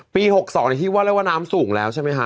๖๒ที่ว่าเรียกว่าน้ำสูงแล้วใช่ไหมคะ